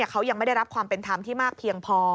เขายังไม่ได้รับความเป็นธรรมที่มากเพียงพอ